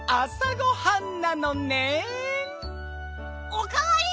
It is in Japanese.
おかわり！